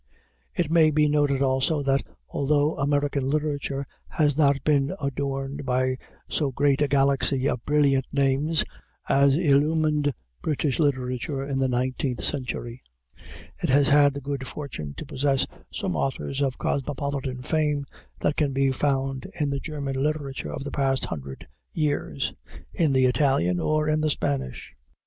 It may be noted also that although American literature has not been adorned by so great a galaxy of brilliant names as illumined British literature in the nineteenth century, it has had the good fortune to possess more authors of cosmopolitan fame than can be found in the German literature of the past hundred years, in the Italian, or in the Spanish.